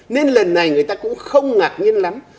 nên lần này người ta cũng không ngạc nhiên lắm